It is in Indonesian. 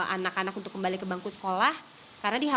anak anak untuk kembali ke bangku sekolah